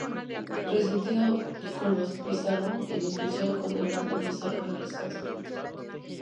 Resentido con los Pizarro, en especial con Hernando Pizarro, regresó a Trujillo.